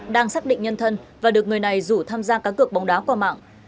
đang xác định nhân thân và được người này rủ tham gia cá cược bóng đá qua mạng